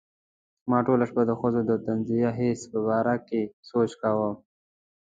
ما ټوله شپه د ښځو د طنزیه حس په باره کې سوچ کاوه.